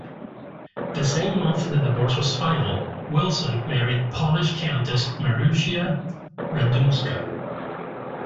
The same month the divorce was final, Wilson married Polish countess Marusia Radunska.